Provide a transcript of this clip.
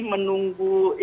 zona merah itu kita masih